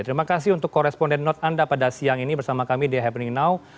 terima kasih untuk koresponden note anda pada siang ini bersama kami di happening now